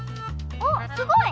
おっすごい！